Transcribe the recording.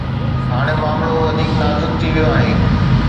هاڻي معاملو وڌيڪ نازڪ ٿي ويو آهي.